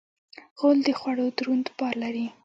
غول د غوړو دروند بار لري.